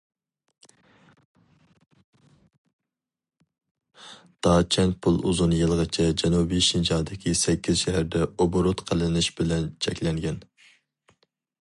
داچەن پۇل ئۇزۇن يىلغىچە جەنۇبىي شىنجاڭدىكى سەككىز شەھەردە ئوبوروت قىلىنىش بىلەن چەكلەنگەن.